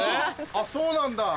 あっそうなんだ